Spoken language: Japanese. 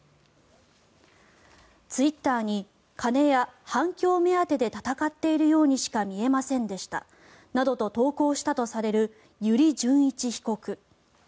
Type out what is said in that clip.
ツイッターに金や反響目当てで闘っているようにしか見えませんでしたなどと投稿したとされる油利潤一被告。